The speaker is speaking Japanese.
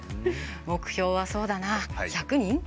目標は、そうだな１００人？